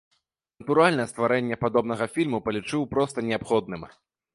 Натуральна, стварэнне падобнага фільму палічыў проста неабходным.